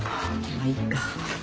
まっいっか。